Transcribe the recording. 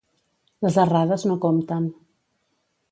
Les errades no compten.